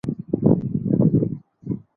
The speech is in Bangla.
দীর্ঘ উচ্চারণের উদাহরণ দেওয়া হল।